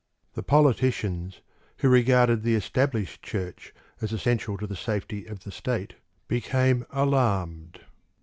The politicians who regarded the established Church as essential to the safety of the state became alarmed.